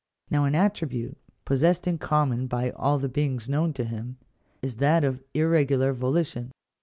Now an attribute, possessed in common by all the beings known to him, is that of irregular volition.